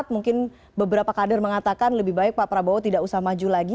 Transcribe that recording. mungkin beberapa kader mengatakan lebih baik pak prabowo tidak usah maju lagi